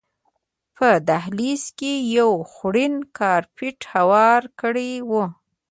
په دهلیز کې یې یو خوړین کارپېټ هوار کړی و.